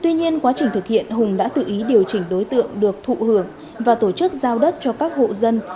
tuy nhiên quá trình thực hiện hùng đã tự ý điều chỉnh đối tượng được thụ hưởng và tổ chức giao đất cho các hộ dân